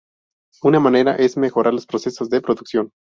Una manera es mejorar los procesos de producción.